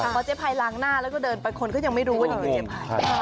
พอเจ๊ภัยล้างหน้าแล้วก็เดินไปคนก็ยังไม่รู้ว่านี่คือเจ๊ภัย